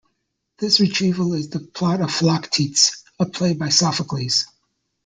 This retrieval is the plot of "Philoctetes", a play by Sophocles.